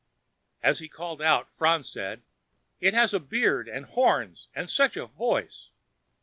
As he called out, Franz said, "It has a beard and horns, and such a voice!"